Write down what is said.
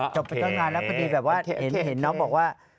จบไปเติ้ลงานแล้วพอดีแบบว่าเห็นน้องบอกว่า